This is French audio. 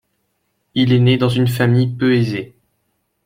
Il est né dans une famille peu aisée.